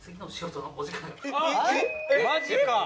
マジか！